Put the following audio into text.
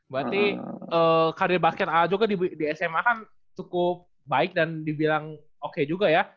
berarti karir basket aa juga di sma kan cukup baik dan dibilang oke juga ya